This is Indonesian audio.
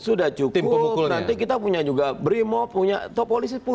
sudah cukup nanti kita punya juga brimo polisi punya